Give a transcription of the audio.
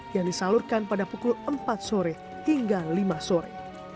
yang disalurkan pada pukul empat sore hingga lima sore